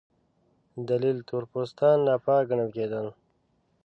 دلیل: تور پوستان ناپاک ګڼل کېدل.